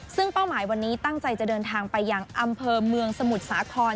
ซึ่งเป้าหมายวันนี้ตั้งใจจะเดินทางไปยังอำเภอเมืองสมุทรสาคร